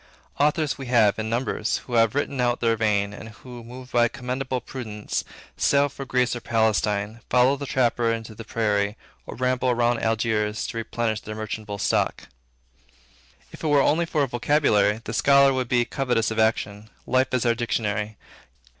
Authors we have, in numbers, who have written out their vein, and who, moved by a commendable prudence, sail for Greece or Palestine, follow the trapper into the prairie, or ramble round Algiers, to replenish their merchantable stock. If it were only for a vocabulary, the scholar would be covetous of action. Life is our dictionary.